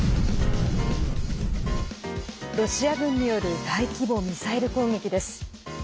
ロシア軍による大規模ミサイル攻撃です。